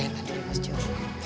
eh andi liman joko